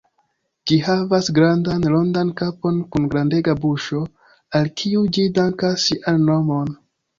Ĝi havas grandan, rondan kapon kun grandega buŝo, al kiu ĝi dankas sian nomon.